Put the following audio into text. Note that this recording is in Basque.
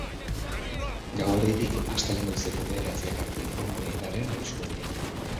Gauerditik astelehen goizeko bederatziak arte egongo da indarrean abisu horia.